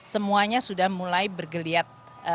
semuanya sudah mulai bergeliat